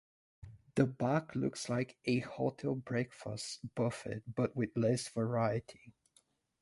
The back looks like a hotel breakfast buffet but with less variety.